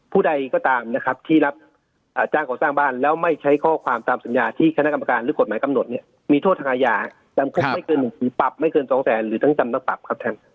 ใดก็ตามนะครับที่รับจ้างก่อสร้างบ้านแล้วไม่ใช้ข้อความตามสัญญาที่คณะกรรมการหรือกฎหมายกำหนดเนี่ยมีโทษทางอาญาจำคุกไม่เกิน๑ปีปรับไม่เกินสองแสนหรือทั้งจำทั้งปรับครับท่าน